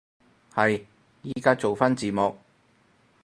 係，依家做返字幕